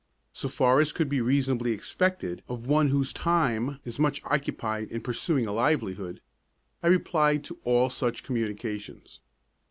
So far as could be reasonably expected of one whose time is much occupied in pursuing a livelihood, I replied to all such communications.